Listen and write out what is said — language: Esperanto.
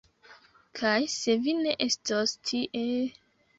Kaj se vi ne estos tie....